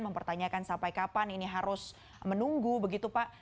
mempertanyakan sampai kapan ini harus menunggu begitu pak